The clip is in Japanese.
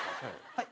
はい。